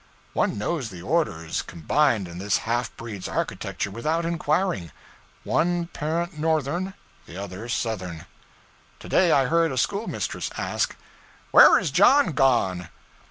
One knows the orders combined in this half breed's architecture without inquiring: one parent Northern, the other Southern. To day I heard a schoolmistress ask, 'Where is John gone?'